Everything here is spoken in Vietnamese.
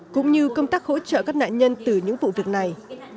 cũng như công tác hỗ trợ các nạn nhân từ những vụ việc này